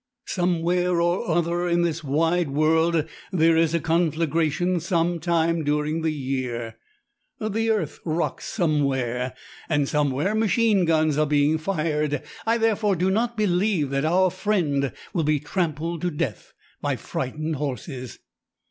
Somewhere or other in this wide world there is a conflagration some time during the year, the earth rocks somewhere, and somewhere machine guns are being fired. I therefore do not believe that our friend will be trampled to death by frightened horses.